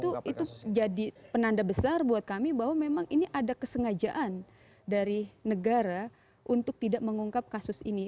itu jadi penanda besar buat kami bahwa memang ini ada kesengajaan dari negara untuk tidak mengungkap kasus ini